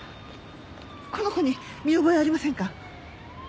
この子に見覚えありませんか？